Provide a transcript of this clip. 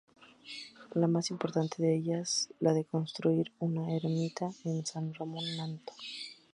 La más importante de ellas, la de construir una ermita a San Ramón Nonato.